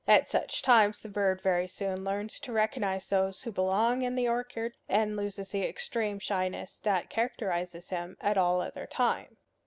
At such times the bird very soon learns to recognize those who belong in the orchard, and loses the extreme shyness that characterizes him at all other times.